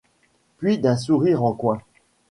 Puis d'un sourire en coin.